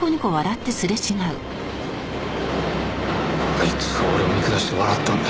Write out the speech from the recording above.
あいつ俺を見下して笑ったんだ。